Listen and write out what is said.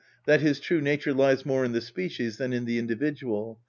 That his true nature lies more in the species than in the individual.